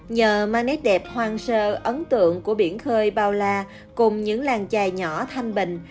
nhờ mang nét đẹp hoang sơ ấn tượng của biển khơi bao la cùng những làng trài nhỏ thanh bình